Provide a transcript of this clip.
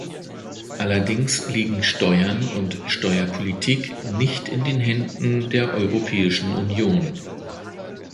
Allerdings liegen Steuern und Steuerpolitik nicht in den Händen der Europäischen Union.